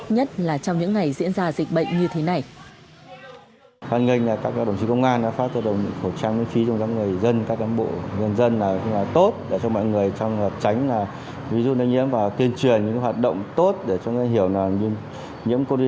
nhất là trong những ngày diễn ra dịch bệnh như thế này